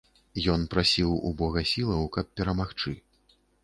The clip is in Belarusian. Ён прасіў у бога сілаў, каб перамагчы.